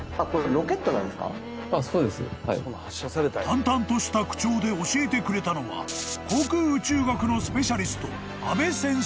［淡々とした口調で教えてくれたのは航空宇宙学のスペシャリスト］